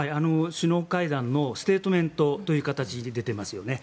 首脳会談のステートメントという形で出ていますよね。